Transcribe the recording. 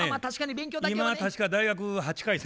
今確か大学８回生。